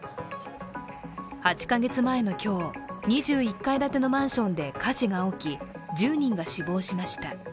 ８か月前の今日、２１階建てのマンションで火事が起き、１０人が死亡しました。